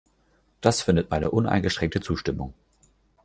Das findet meine uneingeschränkte Zustimmung.